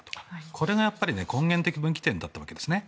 これが根源的分岐点だったわけですね。